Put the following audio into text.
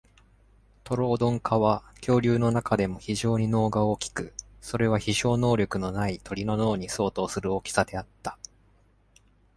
トロオドン科は恐竜の中でも非常に脳が大きく、それは飛翔能力のない鳥の脳に相当する大きさであった。